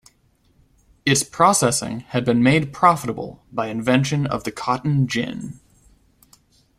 Its processing had been made profitable by invention of the cotton gin.